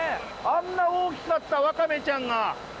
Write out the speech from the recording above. あんな大きかったわかめちゃんが。